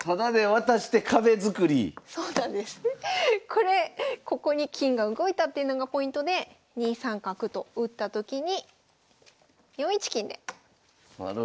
これここに金が動いたっていうのがポイントで２三角と打った時に４一金でなるほど。